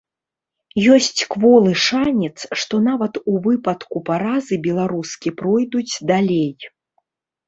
Ёсць кволы шанец, што нават у выпадку паразы беларускі пройдуць далей.